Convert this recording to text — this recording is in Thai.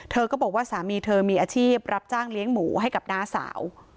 เธอก็บอกว่าสามีเธอมีอาชีพรับจ้างเลี้ยงหมูให้กับน้าสาว